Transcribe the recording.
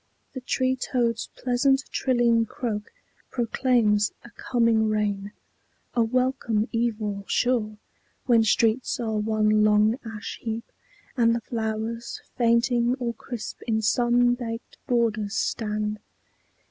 The tree toad's pleasant trilling croak proclaims A coming rain; a welcome evil, sure, When streets are one long ash heap, and the flowers Fainting or crisp in sun baked borders stand.